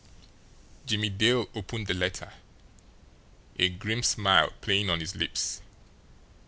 Jimmie Dale opened the letter, a grim smile playing on his lips.